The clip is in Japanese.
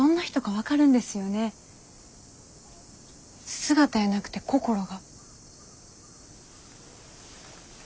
姿やなくて心が。